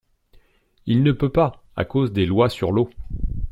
Il ne peut pas, à cause des lois sur l’eau.